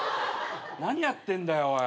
何やってんだよおい。